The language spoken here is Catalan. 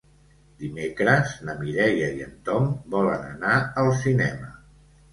Dimecres na Mireia i en Tom volen anar al cinema.